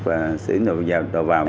và xuyến đồ vào